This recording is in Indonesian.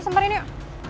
sampai ini yuk